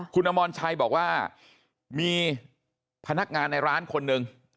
คุณอมรชัยบอกว่ามีพนักงานในร้านคนหนึ่ง